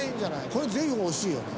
これぜひ欲しいよね。